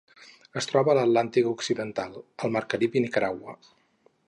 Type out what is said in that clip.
Es troba a l'Atlàntic occidental: el mar Carib i Nicaragua.